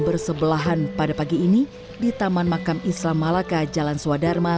bersebelahan pada pagi ini di taman makam islam malaka jalan swadharma